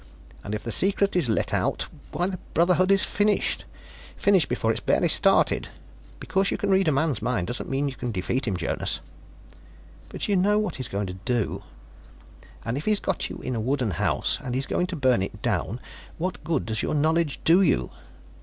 "And if the secret is let out why, the Brotherhood is finished. Finished before it's barely started. Because you can read a man's mind doesn't mean you can defeat him, Jonas." "But you know what he's going to do " "And if he's got you in a wooden house and he's going to burn it down, what good does your knowledge do you?"